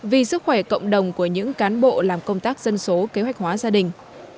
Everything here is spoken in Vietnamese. vì sức khỏe cộng đồng của những cán bộ làm công tác dân số kế hoạch hóa gia đình